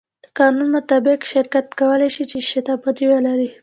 د قانون مطابق شرکت کولی شي، چې شتمنۍ ولري.